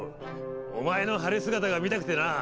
お前の晴れ姿が見たくてなぁ。